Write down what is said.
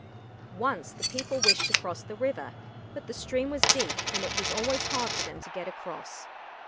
Once the people wished to cross the river, but the stream was deep and it was always hard for them to get across.